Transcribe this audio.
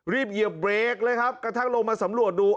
รีบเยียบเรคเลยกระทั่งลงมาสำรวจดู